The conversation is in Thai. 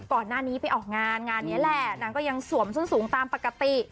ก่อนหน้านี้ไปออกงานงานนี้แหละนางก็ยังสวมส้นสูงตามปกติ